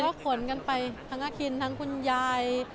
ก็ขนกันไปทั้งอาคินทั้งคุณยาย